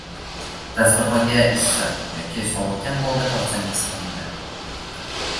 Dasturxonga issiq yoki sovitgan holda tortsangiz ham bo‘ladi